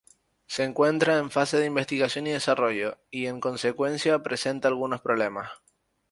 Se encuentra en fase de investigación y desarrollo y, en consecuencia, presenta algunos problemas.